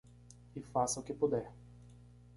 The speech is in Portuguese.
E faça o que puder